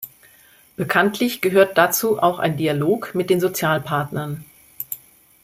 Bekanntlich gehört dazu auch ein Dialog mit den Sozialpartnern.